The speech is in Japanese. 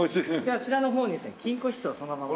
あちらの方にですね金庫室をそのまま。